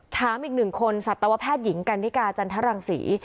ถามอีกหนึ่งคนสัตวแพทย์หญิงกันนิกาจันทรังศรี